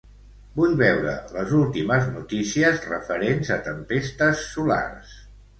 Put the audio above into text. Vull veure les últimes notícies referents a tempestes solars.